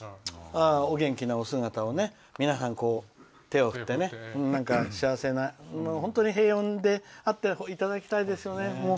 お元気なお姿を皆さん、手を振って本当に平穏であっていただきたいですよね。